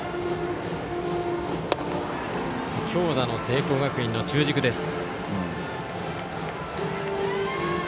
強打の聖光学院の中軸です。